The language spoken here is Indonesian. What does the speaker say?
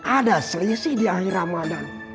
ada selisih di akhir ramadan